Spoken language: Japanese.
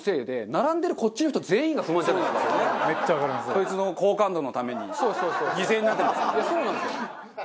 そいつの好感度のために犠牲になってますもんね。